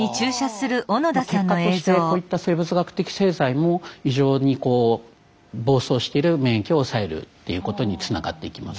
結果としてこういった生物学的製剤も非常にこう暴走している免疫を抑えるっていうことにつながっていきます。